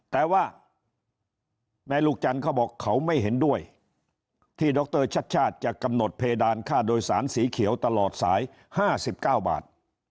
แต่ว่าแม่ลูกจันทร์เขาบอกเขาไม่เห็นด้วยที่ดรชัดชาติจะกำหนดเพดานค่าโดยสารสีเขียวตลอดสาย๕๙บาท